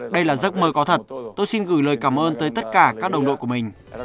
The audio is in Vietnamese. đây là giấc mơ có thật tôi xin gửi lời cảm ơn tới tất cả các đồng đội của mình